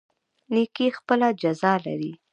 نیکي خپله جزا لري